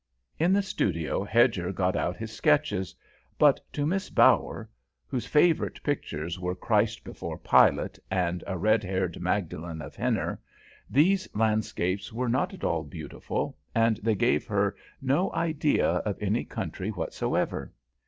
In the studio Hedger got out his sketches, but to Miss Bower, whose favourite pictures were Christ Before Pilate and a redhaired Magdalen of Henner, these landscapes were not at all beautiful, and they gave her no idea of any country whatsoever.